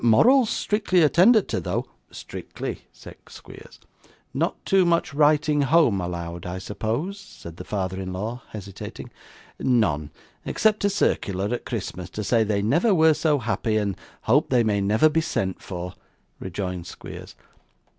'Morals strictly attended to, though.' 'Strictly,' said Squeers. 'Not too much writing home allowed, I suppose?' said the father in law, hesitating. 'None, except a circular at Christmas, to say they never were so happy, and hope they may never be sent for,' rejoined Squeers.